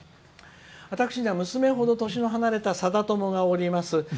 私には娘ほど年の離れたさだ友がおります。